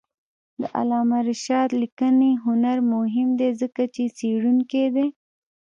د علامه رشاد لیکنی هنر مهم دی ځکه چې څېړونکی دی.